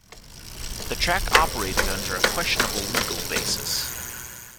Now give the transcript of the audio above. The track operated under a questionable legal basis.